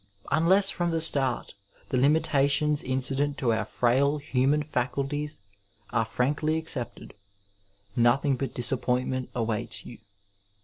Unless from the start the limitations incident to our frail human faculties are frankly accepted, nothing but disappointment awaits you.